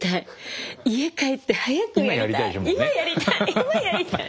今やりたい